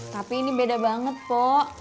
tapi ini beda banget po